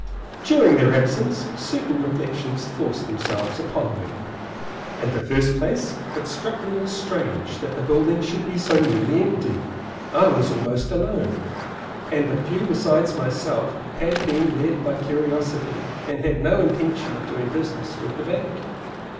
During their absence certain reflections forced themselves upon me. In the first place, it struck me as strange that the building should be so nearly empty; I was almost alone, and the few besides myself had been led by curiosity, and had no intention of doing business with the bank.